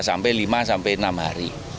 sampai lima enam hari